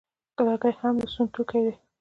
لرګي هم د سون توکي دي